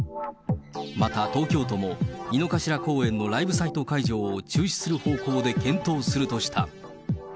また東京都も、井の頭公園のライブサイト会場を中止する方向で検討するとした。